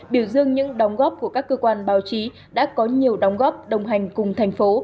biểu dương những đóng góp của các cơ quan báo chí đã có nhiều đóng góp đồng hành cùng thành phố